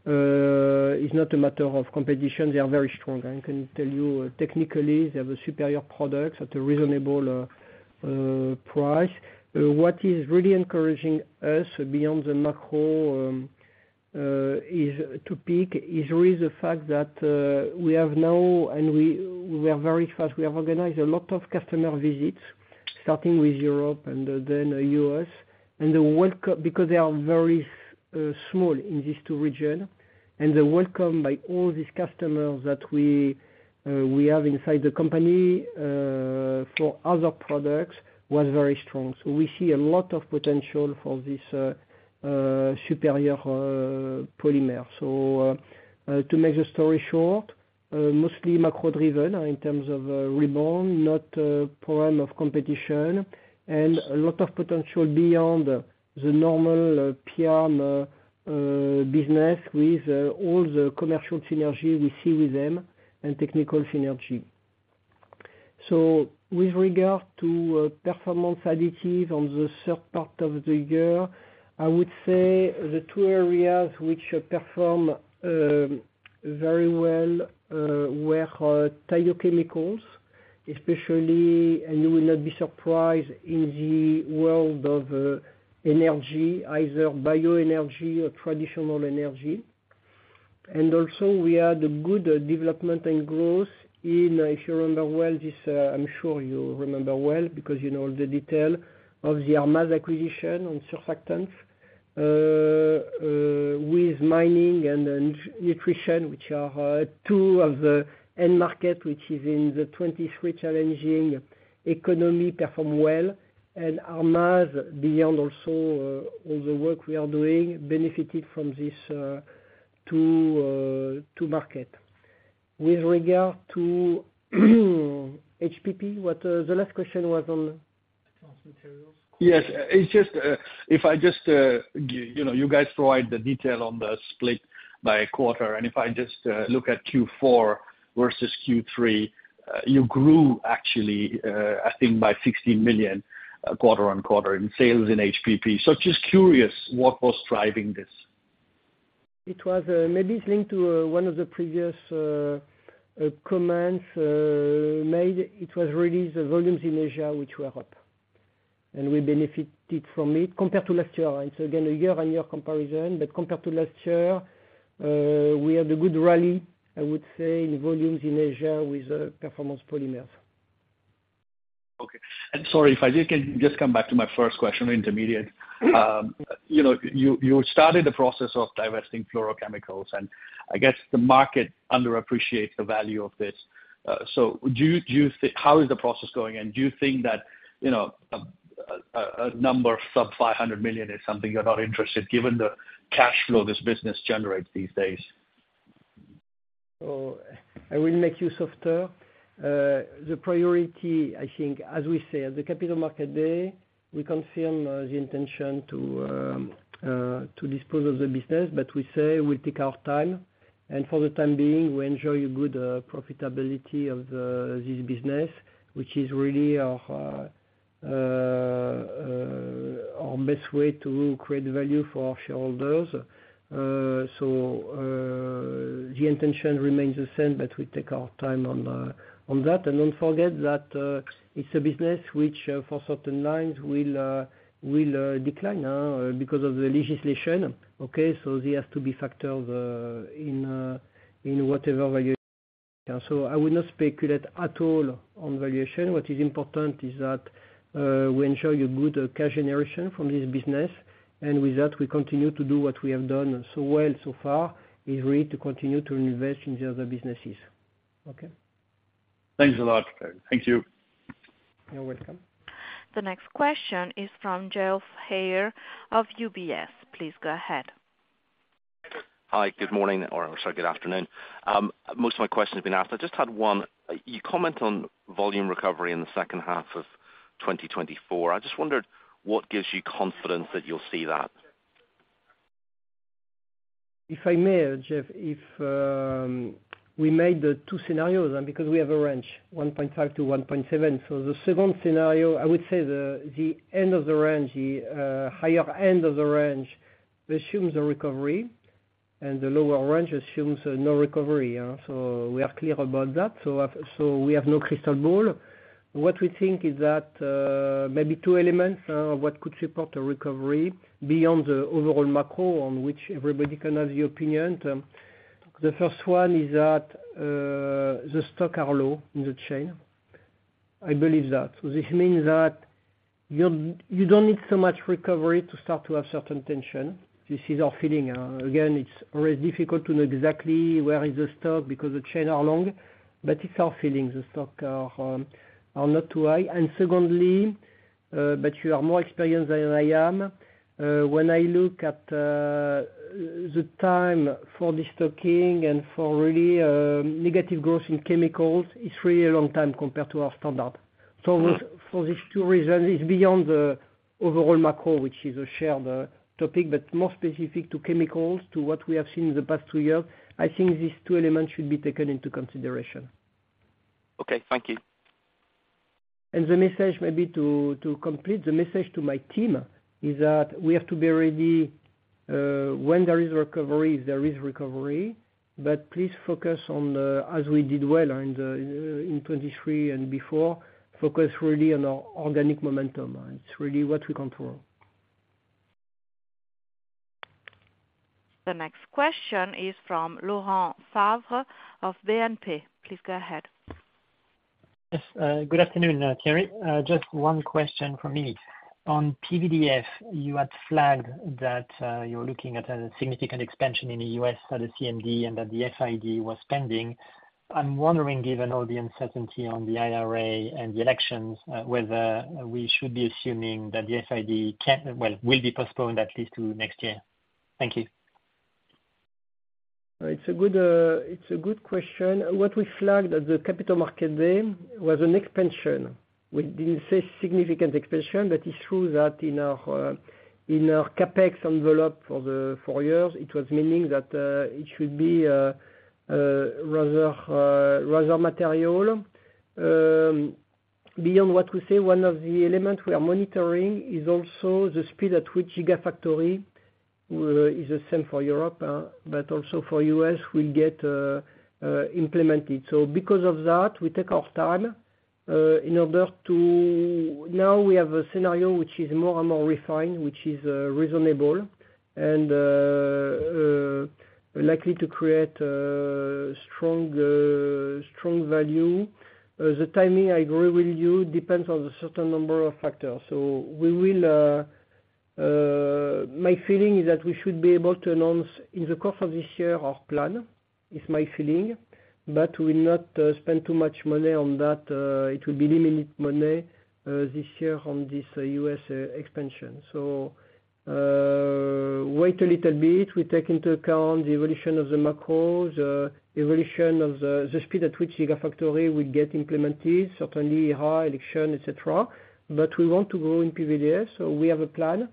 It's not a matter of competition. They are very strong. I can tell you, technically, they have a superior product at a reasonable price. What is really encouraging us beyond the macro to peak is really the fact that we have now and we were very fast. We have organized a lot of customer visits, starting with Europe and then U.S., because they are very small in these two regions. The welcome by all these customers that we have inside the company for other products was very strong. We see a lot of potential for this superior polymer. To make the story short, mostly macro-driven in terms of rebound, not problem of competition, and a lot of potential beyond the normal PIAM business with all the commercial synergy we see with them and technical synergy. With regard to performance additives on the third part of the year, I would say the two areas which perform very well were Thiochemicals, especially, and you will not be surprised, in the world of energy, either bioenergy or traditional energy. And also, we had good development and growth in, if you remember well, I'm sure you remember well because you know all the detail of the ArrMaz acquisition on surfactants with mining and nutrition, which are two of the end market which, in the 2023 challenging economy, perform well. ArrMaz, beyond also all the work we are doing, benefited from these two markets. With regard to HPP, what the last question was on? Yes. If I just you guys provide the detail on the split by quarter. If I just look at Q4 versus Q3, you grew, actually, I think, by 16 million quarter-over-quarter in sales in HPP. So just curious what was driving this. Maybe it's linked to one of the previous commands made. It was released the volumes in Asia, which were up. We benefited from it compared to last year. It's again a year-on-year comparison. But compared to last year, we had a good rally, I would say, in volumes in Asia with performance polymers. Okay. Sorry, if I can just come back to my first question, intermediates. You started the process of divesting fluorochemicals. And I guess the market underappreciates the value of this. So how is the process going? And do you think that a number sub-EUR 500 million is something you're not interested in given the cash flow this business generates these days? So I will make you softer. The priority, I think, as we say, at the Capital Markets Day, we confirm the intention to dispose of the business. But we say we'll take our time. And for the time being, we enjoy a good profitability of this business, which is really our best way to create value for our shareholders. So the intention remains the same, but we take our time on that. And don't forget that it's a business which, for certain lines, will decline because of the legislation. Okay? So there has to be factors in whatever valuation. So I will not speculate at all on valuation. What is important is that we enjoy a good cash generation from this business. And with that, we continue to do what we have done so well so far, is really to continue to invest in the other businesses. Okay? Thanks a lot, Thierry. Thank you. You're welcome. The next question is from Geoff Haire of UBS. Please go ahead. Hi. Good morning. Or I'm sorry, good afternoon. Most of my questions have been asked. I just had one. You comment on volume recovery in the second half of 2024. I just wondered what gives you confidence that you'll see that? If I may, Geoff, if we made the two scenarios because we have a range, 1.5-1.7. So the second scenario, I would say the end of the range, the higher end of the range assumes a recovery, and the lower range assumes no recovery. So we are clear about that. So we have no crystal ball. What we think is that maybe two elements of what could support a recovery beyond the overall macro on which everybody can have the opinion. The first one is that the stock are low in the chain. I believe that. So this means that you don't need so much recovery to start to have certain tension. This is our feeling. Again, it's always difficult to know exactly where is the stock because the chains are long. But it's our feeling. The stocks are not too high. Secondly, but you are more experienced than I am, when I look at the time for destocking and for really negative growth in chemicals, it's really a long time compared to our standard. So for these two reasons, it's beyond the overall macro, which is a shared topic, but more specific to chemicals, to what we have seen in the past two years, I think these two elements should be taken into consideration. Okay. Thank you. The message, maybe to complete, the message to my team is that we have to be ready when there is recovery, if there is recovery. But please focus on, as we did well in 2023 and before, focus really on our organic momentum. It's really what we control. The next question is from Laurent Favre of BNP. Please go ahead. Yes. Good afternoon, Thierry. Just one question from me. On PVDF, you had flagged that you're looking at a significant expansion in the U.S. at the CMD and that the FID was pending. I'm wondering, given all the uncertainty on the IRA and the elections, whether we should be assuming that the FID will be postponed at least to next year. Thank you. All right. It's a good question. What we flagged at the Capital Markets Day was an expansion. We didn't say significant expansion, but it's true that in our CapEx envelope for years, it was meaning that it should be rather material. Beyond what we say, one of the elements we are monitoring is also the speed at which Gigafactory is the same for Europe, but also for U.S., will get implemented. So because of that, we take our time in order to now we have a scenario which is more and more refined, which is reasonable and likely to create strong value. The timing, I agree with you, depends on a certain number of factors. So my feeling is that we should be able to announce in the course of this year our plan. It's my feeling. But we will not spend too much money on that. It will be limited money this year on this U.S. expansion. So wait a little bit. We take into account the evolution of the macro, the evolution of the speed at which Gigafactory will get implemented, certainly IRA, election, etc. But we want to grow in PVDF. So we have a plan.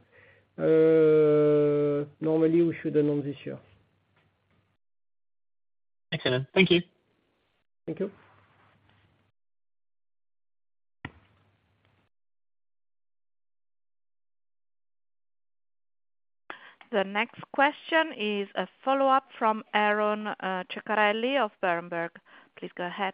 Normally, we should announce this year. Excellent. Thank you. Thank you. The next question is a follow-up from Aron Cuccarelli of Berenberg. Please go ahead.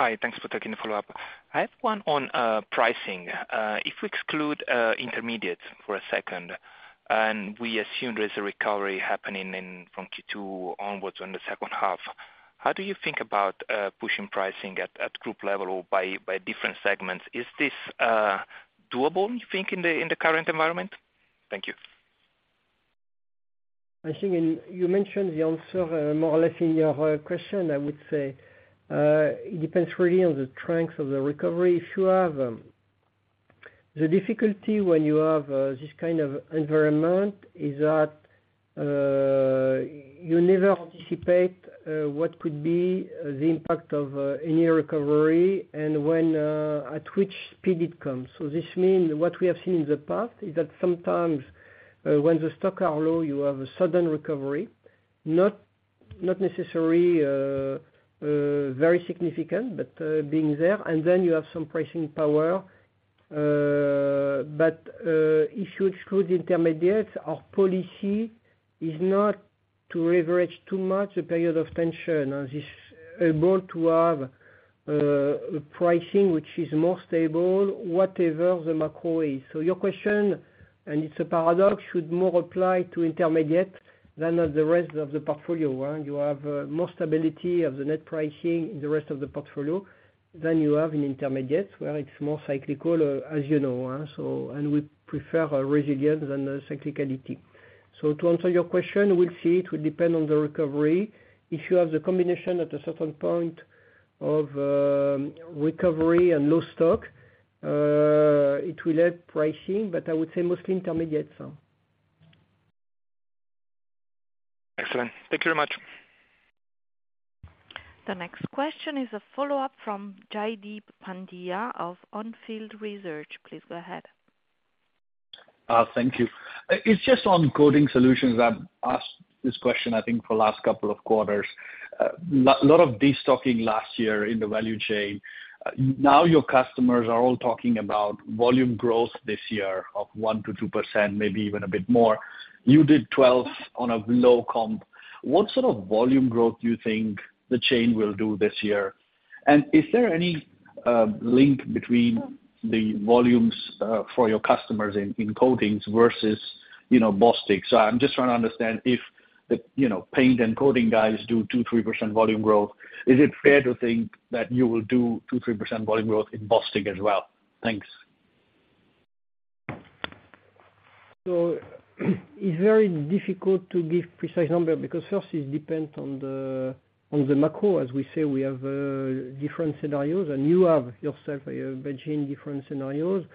Hi. Thanks for taking the follow-up. I have one on pricing. If we exclude intermediates for a second and we assume there is a recovery happening from Q2 onwards on the second half, how do you think about pushing pricing at group level or by different segments? Is this doable, you think, in the current environment? Thank you. I think you mentioned the answer more or less in your question, I would say. It depends really on the strengths of the recovery. The difficulty when you have this kind of environment is that you never anticipate what could be the impact of any recovery and at which speed it comes. So this means what we have seen in the past is that sometimes when the stocks are low, you have a sudden recovery, not necessarily very significant, but being there. And then you have some pricing power. But if you exclude intermediates, our policy is not to leverage too much the period of tension. This able to have pricing which is more stable, whatever the macro is. So your question, and it's a paradox, should more apply to intermediate than at the rest of the portfolio. You have more stability of the net pricing in the rest of the portfolio than you have in intermediates where it's more cyclical, as you know. We prefer resilience and cyclicality. To answer your question, we'll see. It will depend on the recovery. If you have the combination at a certain point of recovery and low stock, it will help pricing. But I would say mostly intermediates. Excellent. Thank you very much. The next question is a follow-up from Jaydeep Pandya of On Field Research. Please go ahead. Thank you. It's just on Coating Solutions that I've asked this question, I think, for the last couple of quarters. A lot of destocking last year in the value chain. Now your customers are all talking about volume growth this year of 1%-2%, maybe even a bit more. You did 12% on a low comp. What sort of volume growth do you think the chain will do this year? And is there any link between the volumes for your customers in coatings versus Bostik? So I'm just trying to understand if the paint and coatings guys do 2%-3% volume growth, is it fair to think that you will do 2%-3% volume growth in Bostik as well? Thanks. So it's very difficult to give precise number because, first, it depends on the macro. As we say, we have different scenarios. And you have yourself a base in different scenarios.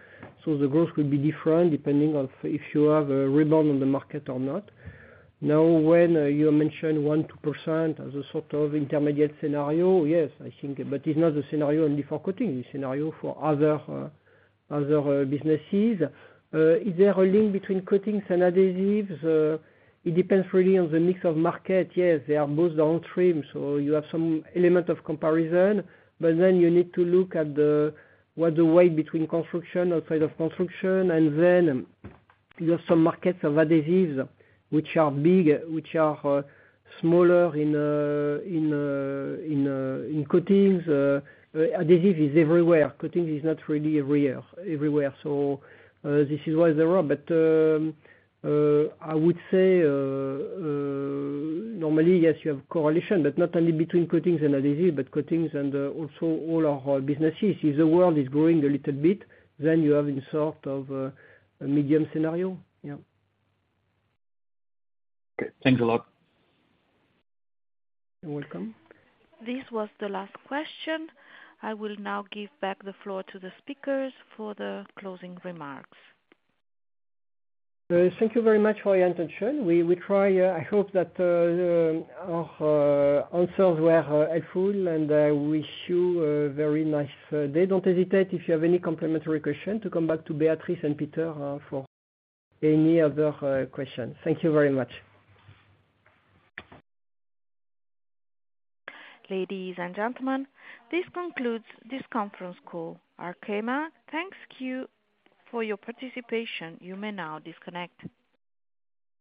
So the growth will be different depending on if you have a rebound on the market or not. Now, when you mentioned 1%-2% as a sort of intermediate scenario, yes, I think. But it's not the scenario only for coatings. It's a scenario for other businesses. Is there a link between coatings and adhesives? It depends really on the mix of market. Yes, they are both downstream. So you have some element of comparison. But then you need to look at what's the weight between construction outside of construction. And then you have some markets of adhesives which are big, which are smaller in coatings. Adhesive is everywhere. Coating is not really everywhere. So this is why there are. But I would say, normally, yes, you have correlation, but not only between coatings and adhesives, but coatings and also all our businesses. If the world is growing a little bit, then you have a sort of medium scenario. Yeah. Okay. Thanks a lot. You're welcome. This was the last question. I will now give back the floor to the speakers for the closing remarks. Thank you very much for your attention. I hope that our answers were helpful. I wish you a very nice day. Don't hesitate, if you have any complementary questions, to come back to Beatrice and Peter for any other questions. Thank you very much. Ladies and gentlemen, this concludes this conference call. Arkema thanks you for your participation. You may now disconnect.